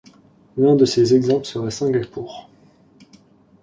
L'un de ces exemples serait Singapour.